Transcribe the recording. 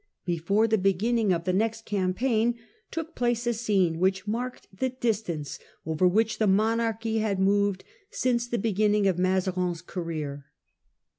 Before the beginning of the next campaign took place a scene which marked the distance over which the monarchy had moved since the beginning of Mazarin's career.